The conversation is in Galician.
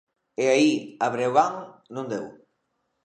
E aí a Breogán non deu.